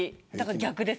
逆です